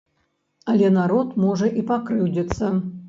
Але народ можа і пакрыўдзіцца.